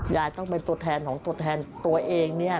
ยายต้องเป็นตัวแทนของตัวแทนตัวเองเนี่ย